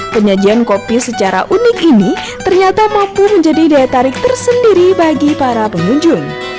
penyajian kopi secara unik ini ternyata mampu menjadi daya tarik tersendiri bagi para pengunjung